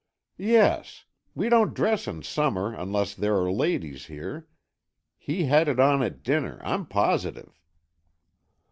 "Yes, we don't dress in summer, unless there are ladies here. He had it on at dinner I'm positive."